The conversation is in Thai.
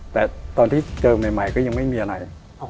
แต่ตอนที่เจอใหม่ก็ยังไม่มีอะไร